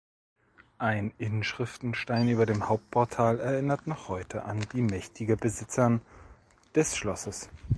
Ein Inschriftenstein über dem Hauptportal erinnert noch heute an die mächtige Besitzern des Schlosses.